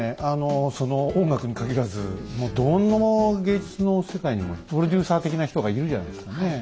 その音楽に限らずもうどんな芸術の世界にもプロデューサー的な人がいるじゃないですかね。